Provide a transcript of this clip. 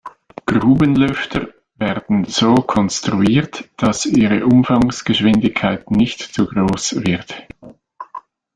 Grubenlüfter werden so konstruiert, dass ihre Umfangsgeschwindigkeit nicht zu groß wird.